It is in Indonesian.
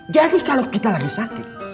jadi kalau kita lagi sakit